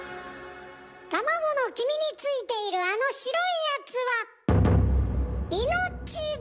卵の黄身についているあの白いやつは命綱。